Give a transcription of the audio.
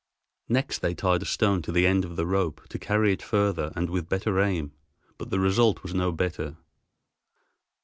Next they tied a stone to the end of the rope to carry it further and with better aim, but the result was no better.